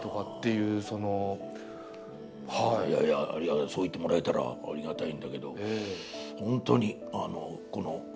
いやいやそう言ってもらえたらありがたいんだけど。